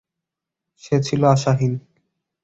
সে ছিল আশাহীন।